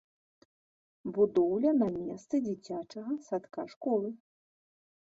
Будоўля на месцы дзіцячага садка-школы.